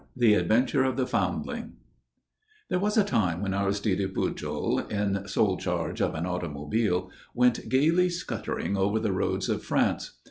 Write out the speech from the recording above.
IV THE ADVENTURE OF THE FOUNDLING There was a time when Aristide Pujol, in sole charge of an automobile, went gaily scuttering over the roads of France.